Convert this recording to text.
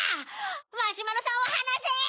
マシュマロさんをはなせ！